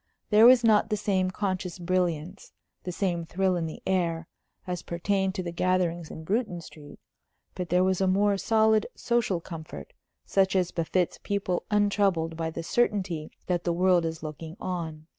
There was not the same conscious brilliance, the same thrill in the air, as pertained to the gatherings in Bruton Street. But there was a more solid social comfort, such as befits people untroubled by the certainty that the world is looking on.